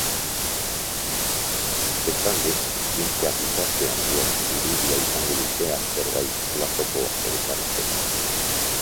Bestalde, zientziak gizartean duen irudia izango dute aztergai platoko elkarrizketan.